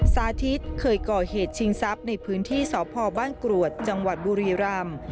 สาธิตเคยก่อเหตุชิงทรัพย์ในพื้นที่สพบ้านกรวดจังหวัดบุรีรำ